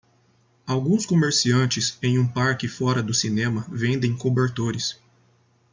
Alguns comerciantes em um parque fora do cinema vendem cobertores.